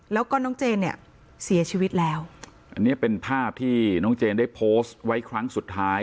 แล้วก็น้องเจนเนี่ยเสียชีวิตแล้วอันนี้เป็นภาพที่น้องเจนได้โพสต์ไว้ครั้งสุดท้าย